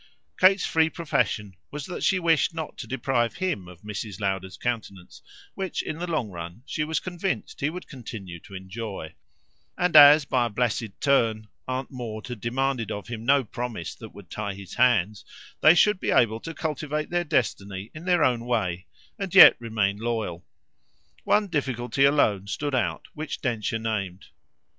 Kate's free profession was that she wished not to deprive HIM of Mrs. Lowder's countenance, which in the long run she was convinced he would continue to enjoy; and as by a blest turn Aunt Maud had demanded of him no promise that would tie his hands they should be able to propitiate their star in their own way and yet remain loyal. One difficulty alone stood out, which Densher named.